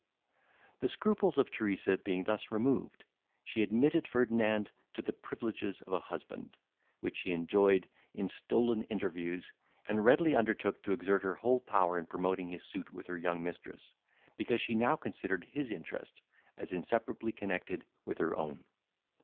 The scruples of Teresa being thus removed, she admitted Ferdinand to the privileges of a husband, which he enjoyed in stolen interviews, and readily undertook to exert her whole power in promoting his suit with her young mistress, because she now considered his interest as inseparably connected with her own.